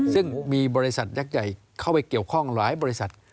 ซึ่งมีบริษัทยักษ์ใหญ่เข้าไปเกี่ยวข้องหลายบริษัท